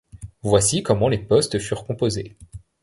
Voici comment les postes furent composés